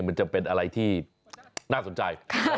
มันจะเป็นอะไรที่น่าสนใจ